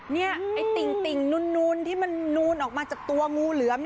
นี่ไอ้ติ่งนูนที่มันนูนออกมาจากตัวงูเหลือม